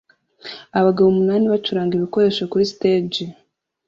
Abagabo umunani bacuranga ibikoresho kuri stage